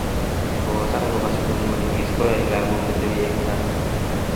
ngokosan kopa sukul konetis koyaei lakok kotepi eng kaa